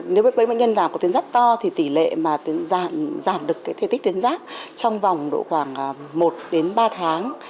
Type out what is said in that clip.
nếu bệnh nhân làm có tuyến giáp to thì tỷ lệ mà giảm được cái thể tích tuyến giáp trong vòng độ khoảng một đến ba tháng